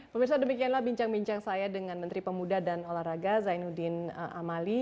pemirsa demikianlah bincang bincang saya dengan menteri pemuda dan olahraga zainuddin amali